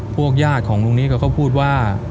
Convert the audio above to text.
พวกญาติของลุงนิดก็พูดว่า